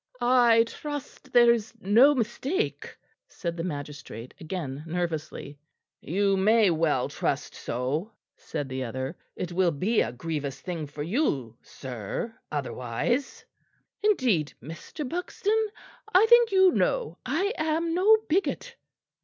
"I trust there is no mistake," said the magistrate again nervously. "You may well trust so," said the other; "it will be a grievous thing for you, sir, otherwise." "Indeed, Mr. Buxton, I think you know I am no bigot.